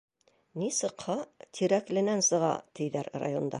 Ни сыҡһа Тирәкленән сыға, тиҙәр районда.